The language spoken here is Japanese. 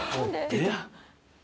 出た。